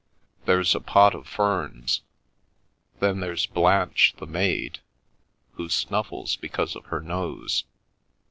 There's a pot of ferns. Then there's Blanche the maid, who snuffles because of her nose.